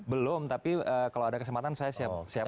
belum tapi kalau ada kesempatan saya siap untuk mencari